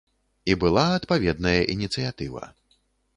І была адпаведная ініцыятыва.